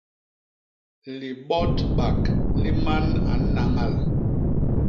Libôdbak li man a nnañal.